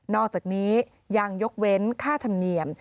อกจากนี้ยังยกเว้นค่าธรรมเนียม